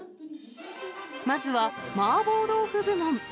まずは麻婆豆腐部門。